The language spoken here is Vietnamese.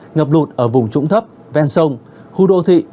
ngập lụt ở vùng trũng thấp ven sông khu đô thị